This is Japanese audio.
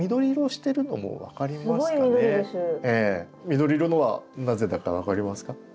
緑色のはなぜだか分かりますか？